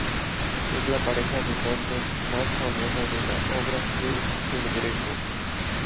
Es la pareja de santos más famosa de la obra de El Greco.